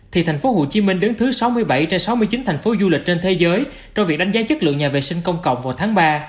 thì tp hcm đứng thứ sáu mươi bảy trên sáu mươi chín thành phố du lịch trên thế giới trong việc đánh giá chất lượng nhà vệ sinh công cộng vào tháng ba